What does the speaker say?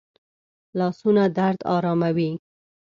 لاسونه درد آراموي